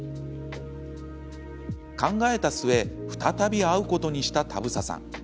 考えた末、再び会うことにした田房さん。